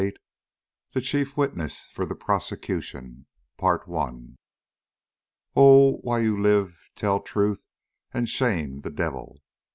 XXVIII. THE CHIEF WITNESS FOR THE PROSECUTION. Oh, while you live tell truth and shame the devil!